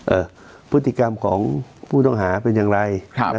เอ่อพฤติกรรมของผู้ต่องหาเป็นอย่างไร